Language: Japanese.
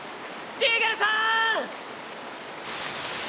ディーゲルさん！